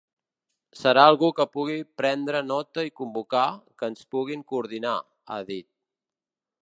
Serà algú que pugui prendre nota i convocar, que ens pugui coordinar, ha dit.